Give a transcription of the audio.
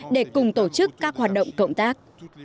để cùng tổ chức các hoạt động cộng tác